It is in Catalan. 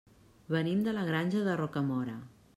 Venim de la Granja de Rocamora.